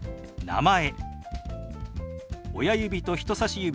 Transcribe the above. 「名前」。